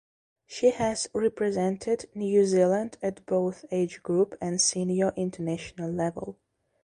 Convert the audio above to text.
She has represented New Zealand at both age group and senior international level.